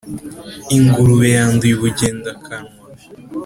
Ingurube yanduye ubugendakanwa